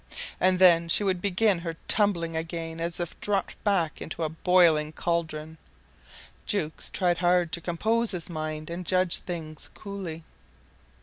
And then she would begin her tumbling again as if dropped back into a boiling cauldron. Jukes tried hard to compose his mind and judge things coolly.